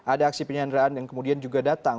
ada aksi penyanderaan yang kemudian juga datang